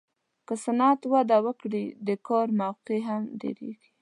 که صنعت وده وکړي، د کار موقعې هم ډېرېږي.